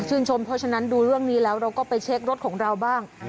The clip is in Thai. เพราะฉะนั้นดูเรื่องนี้แล้วเราก็ไปเช็ครถของเราบ้าง